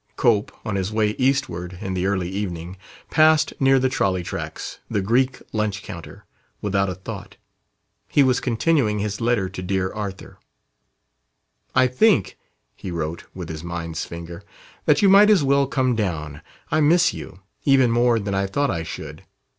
Cope, on his way eastward, in the early evening, passed near the trolley tracks, the Greek lunch counter, without a thought; he was continuing his letter to "Dear Arthur": "I think," he wrote, with his mind's finger, "that you might as well come down. I miss you even more than I thought I should.